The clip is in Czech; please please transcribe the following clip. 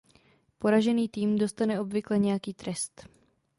Poražený tým dostane obvykle nějaký trest.